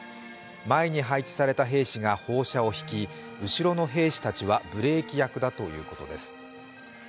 前に配置された兵士が砲車を引き、後ろの兵士たちはブレーキ役だそうです。